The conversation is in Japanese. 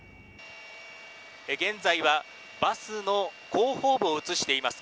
現在はバスの後方を映しています。